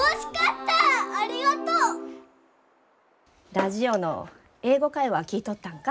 ラジオの「英語会話」聴いとったんか？